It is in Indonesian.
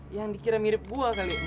yang dikira mirip dua kali